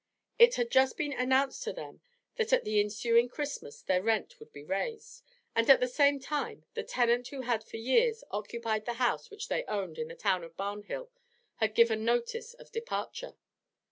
It had just been announced to them that at the ensuing Christmas their rent would be raised, and at the same time the tenant who had for years occupied the house which they owned in the town of Barnhill had given notice of departure.